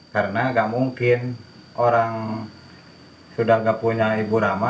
karena gak mungkin orang sudah gak punya ibu rama